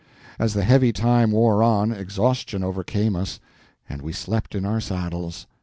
As the heavy time wore on, exhaustion overcame us, and we slept in our saddles.